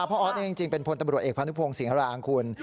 พ่ออธเองจริงจริงเป็นผลตำรวจเอกพานุพงศ์ศิงหราอังคุณ